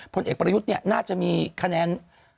ผลเอกประยุทธ์น่าจะมีคะแนน